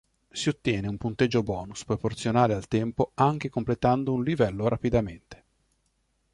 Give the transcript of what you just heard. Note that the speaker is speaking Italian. Si ottiene un punteggio bonus proporzionale al tempo anche completando un livello rapidamente.